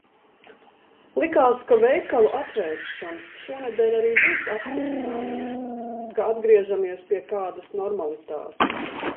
Likās, ka veikalu atvēršana šonedēļ arī būs apstiprinājums, ka atgriežamies pie kādas normalitātes.